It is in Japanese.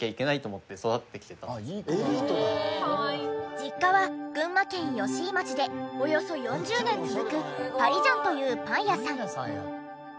実家は群馬県吉井町でおよそ４０年続くパリジャンというパン屋さん。